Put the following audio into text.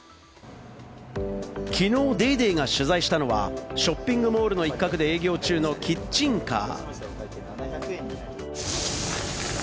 きのう『ＤａｙＤａｙ．』が取材したのはショッピングモールの一角で営業中のキッチンカー。